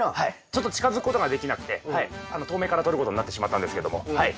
ちょっと近づくことができなくて遠目から撮ることになってしまったんですけどもはい。